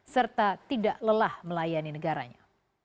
serta tidak lelah melayani negaranya